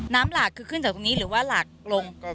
หลากคือขึ้นจากตรงนี้หรือว่าหลากลง